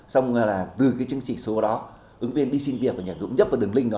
xong là từ cái chứng trị số đó ứng viên đi xin việc và nhận dụng nhấp vào đường link đó